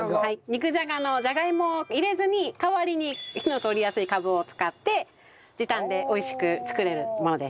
肉じゃがのじゃがいもを入れずに代わりに火の通りやすいカブを使って時短で美味しく作れるものです。